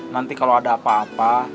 nanti kalau ada apa apa